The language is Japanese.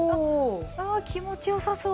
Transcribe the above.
ああ気持ちよさそう。